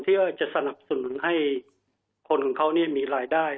ที่จะสนับสนุนให้คนของเขามีรายได้